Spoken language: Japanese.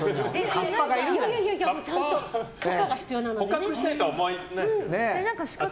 カッパを捕獲したいとは思わないですけど。